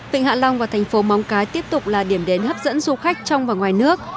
vịnh hạ long và thành phố móng cái tiếp tục là điểm đến hấp dẫn du khách trong và ngoài nước